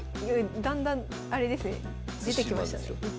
だんだんあれですね出てきましたね。